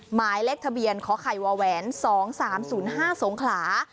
หมายเลขทะเบียนขอไข่วาแหวนสองสามศูนย์ห้าสงขลา